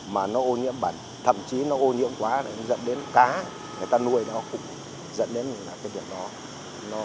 mà nó ô nhiễm bẩn thậm chí nó ô nhiễm quá lại nó dẫn đến cá người ta nuôi nó cũng dẫn đến là cái việc đó